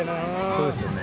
そうですよね。